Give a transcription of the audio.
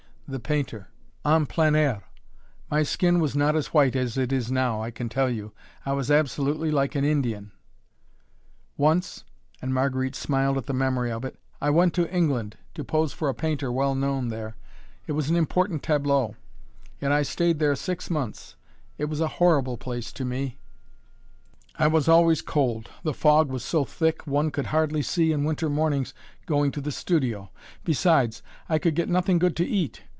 the painter en plein air; my skin was not as white as it is now, I can tell you I was absolutely like an Indian! [Illustration: FRÉMIET] "Once" and Marguerite smiled at the memory of it "I went to England to pose for a painter well known there. It was an important tableau, and I stayed there six months. It was a horrible place to me I was always cold the fog was so thick one could hardly see in winter mornings going to the studio. Besides, I could get nothing good to eat!